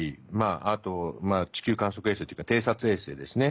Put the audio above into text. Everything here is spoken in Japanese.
あと地球観測衛星というか偵察衛星ですね。